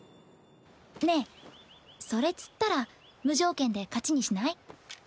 ねえそれ釣ったら無条件で勝ちにしない？